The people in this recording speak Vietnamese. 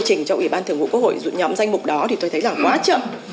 thôi trình trong ủy ban thượng vụ quốc hội dụ nhóm danh mục đó thì tôi thấy là quá chậm